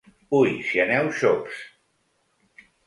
Ui, si aneu xops!